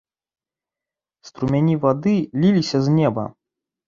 Струмені вады ліліся з неба.